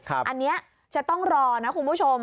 อันนี้จะต้องรอนะคุณผู้ชม